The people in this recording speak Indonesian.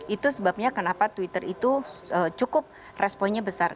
itu sebabnya kenapa twitter itu cukup responnya besar